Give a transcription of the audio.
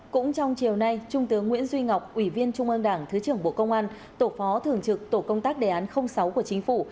cũng trong chiều nay trung tướng nguyễn duy ngọc ủy viên trung ương đảng thứ trưởng bộ công an tổ phó thường trực tổ công tác đề án sáu của chính phủ